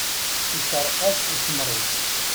Iceṛeq-as utemṛiw.